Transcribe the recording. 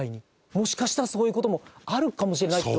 もしかしたらそういう事もあるかもしれないって